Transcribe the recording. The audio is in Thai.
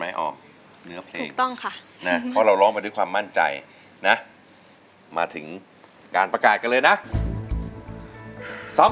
มันมองออมแล้วทำหน้าแบบนี้อะไรอ่ะ